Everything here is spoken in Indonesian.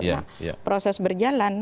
nah proses berjalan